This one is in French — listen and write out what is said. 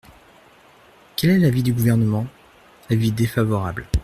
Quel est l’avis du Gouvernement ? Avis défavorable.